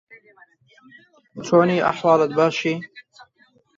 بۆ زۆرانیش دە و بیست بوو.